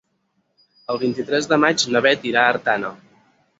El vint-i-tres de maig na Beth irà a Artana.